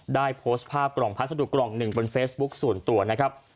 ได้โพสต์ภาพกล่องพัสดุกล่องหนึ่งบนเฟซบุ๊คส่วนตัวนะครับ